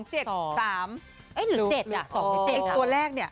หรือ๗หรือ๒หรือ๗ครับอ๋อตัวแรก